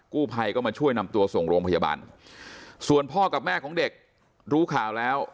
กู้ภัยก็มาช่วยนำตัวส่งโรงพยาบาลส่วนพ่อกับแม่ของเด็กรู้ข่าวแล้ว